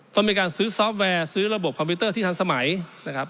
ต้องมีการซื้อซอฟต์แวร์ซื้อระบบคอมพิวเตอร์ที่ทันสมัยนะครับ